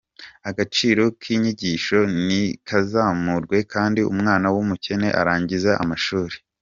agaciro k’inyigisho nikazamurwe kandi umwana w’umukene arangize amashuli.